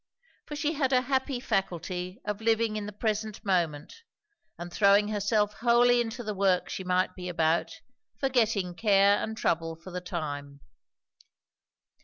For she had a happy faculty of living in the present moment, and throwing herself wholly into the work she might be about, forgetting care and trouble for the time.